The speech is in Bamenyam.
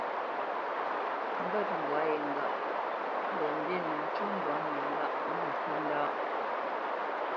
Mbə̂t mbwa ye ŋgâʼ : Mbwoʼmbǐ nə ncu mbwá mə ŋgâʼ mə ŋkə ndâ.